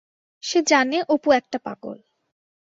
সে জানে, অপু একটা পাগল!